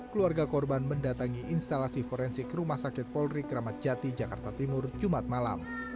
keluarga korban mendatangi instalasi forensik rumah sakit polri kramat jati jakarta timur jumat malam